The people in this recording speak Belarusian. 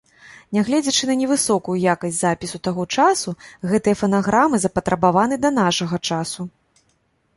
Нягледзячы на невысокую якасць запісу таго часу, гэтыя фанаграмы запатрабаваны да нашага часу.